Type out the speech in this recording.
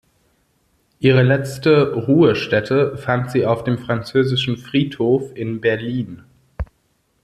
Ihre letzte Ruhestätte fand sie auf dem Französischen Friedhof in Berlin.